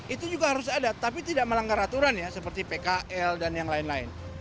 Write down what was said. itu juga harus ada tapi tidak melanggar aturan ya seperti pkl dan yang lain lain